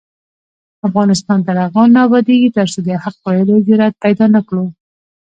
افغانستان تر هغو نه ابادیږي، ترڅو د حق ویلو جرات پیدا نکړو.